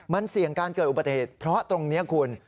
มันเสี่ยงการเกิดอุบัติเหตุเพราะตรงนี้คุณ